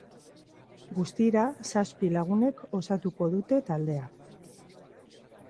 Guztira, zazpi lagunek osatuko dute taldea.